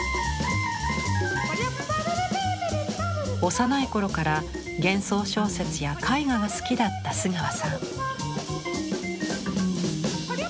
幼い頃から幻想小説や絵画が好きだった須川さん。